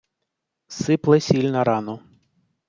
Сипле сіль на рану.